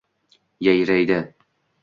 Yayraydi.